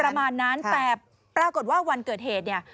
ประมาณนั้นแต่ปรากฏว่าวันเกิดเหตุเนี่ย